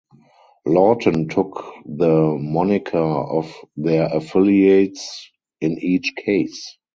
Lawton took the moniker of their affiliates in each case.